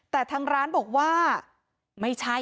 แต่ทางร้านบอกว่าไม่ใช่